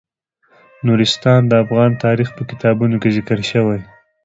نورستان د افغان تاریخ په کتابونو کې ذکر شوی دي.